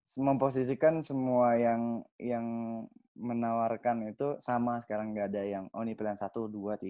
saya memposisikan semua yang menawarkan itu sama sekarang nggak ada yang oh ini pilihan satu dua tiga